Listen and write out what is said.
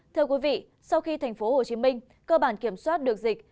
thưa quý vị sau khi thành phố hồ chí minh cơ bản kiểm soát được dịch